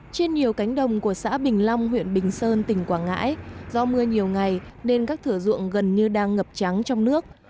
trên nhiều cánh đồng của xã bình long huyện bình sơn tỉnh quảng ngãi do mưa nhiều ngày nên các thửa ruộng gần như đang ngập trắng trong nước